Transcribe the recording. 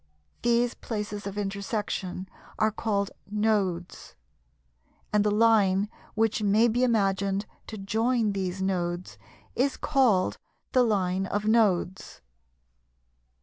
These places of intersection are called "Nodes," and the line which may be imagined to join these Nodes is called the "Line of Nodes."